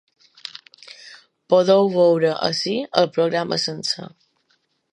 Podeu veure ací el programa sencer.